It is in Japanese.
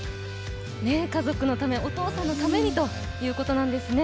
家族のため、お父さんのためにということなんですね。